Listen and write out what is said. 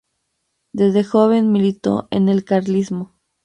Desde joven militó en el carlismo.